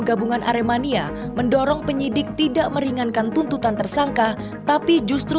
gabungan aremania mendorong penyidik tidak meringankan tuntutan tersangka tapi justru